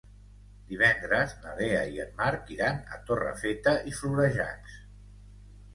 Divendres na Lea i en Marc iran a Torrefeta i Florejacs.